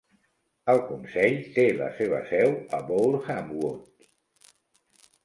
El consell té la seva seu a Borehamwood.